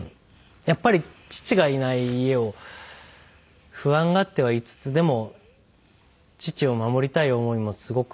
やっぱり父がいない家を不安がってはいつつでも父を守りたい思いもすごくて。